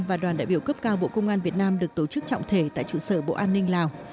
và đoàn đại biểu cấp cao bộ công an việt nam được tổ chức trọng thể tại trụ sở bộ an ninh lào